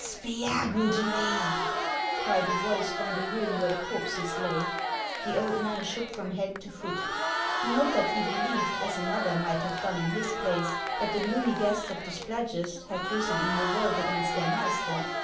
"Spiagudry!" cried a voice from the room where the corpses lay. The old man shook from head to foot. Xot that he believed, as another might have done in his place, that the gloomy guests of the Spladgest had risen in revolt against their master.